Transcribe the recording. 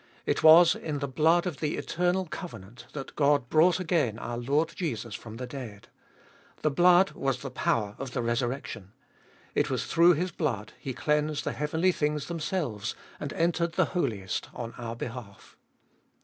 It was in the blood of the eternal covenant that God brought again our Lord Jesus from the dead; the blood was the power of the resurrection. It was through His blood He cleansed the heavenly things themselves and entered the Holiest on our behalf.